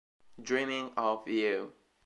Dreaming of You